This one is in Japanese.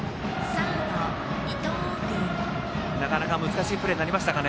なかなか難しいプレーになりましたかね。